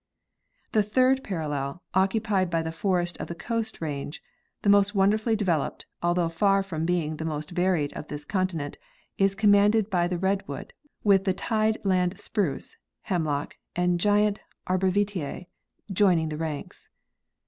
The third parallel, occupied by the forest of the Coast Range, the most wonderfully developed, although far from being the most varied of this continent, is commanded by the redwood, with the tide land spruce, hemlock and gigantic arborvite joining the ranks.